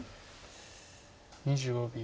２５秒。